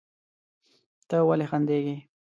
ته ولې خندېږې؟